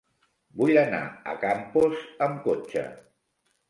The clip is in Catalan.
Vull anar a Campos amb cotxe.